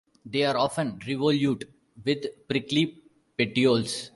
They are often revolute, with prickly petioles.